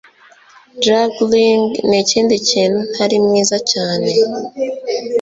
Juggling nikindi kintu ntari mwiza cyane